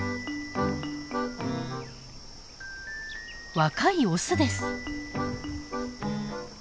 若いオスです。